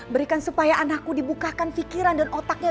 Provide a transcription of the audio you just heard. berikan supaya anakku dibukakan pikiran dan otaknya